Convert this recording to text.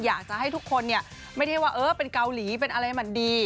อยากจะให้ทุกคนเนี่ยไม่ได้ว่าเออเป็นเกาหลีเป็นอะไรมันดี